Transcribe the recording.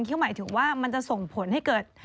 ก็หมายถึงว่ามันจะส่งผลให้เกิด